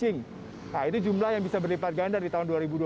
nah ini jumlah yang bisa berlipat ganda di tahun dua ribu dua puluh